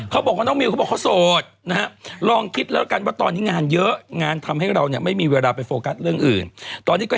เค้าบอกกับน้องมิลเค้าบอกเพราะเค้าโ